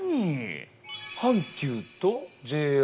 阪急とＪＲ？